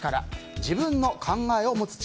自分の考えを持つ力